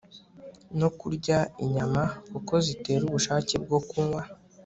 no kurya inyama kuko zitera ubushake bwo kunywa